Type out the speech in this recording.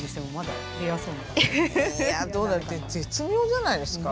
だって絶妙じゃないですか。